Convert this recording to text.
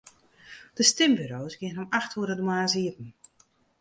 De stimburo's geane om acht oere de moarns iepen.